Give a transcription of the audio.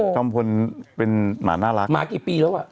จอมพลเป็นหมาน่ารักหมากี่ปีแล้วอ่ะ